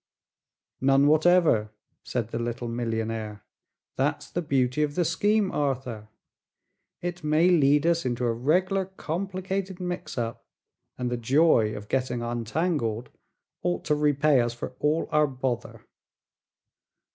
"None whatever," said the little millionaire. "That's the beauty of the scheme, Arthur; it may lead us into a reg'lar complicated mix up, and the joy of getting untangled ought to repay us for all our bother."